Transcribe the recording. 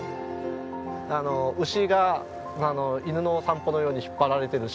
牛が犬の散歩のように引っ張られてる島って。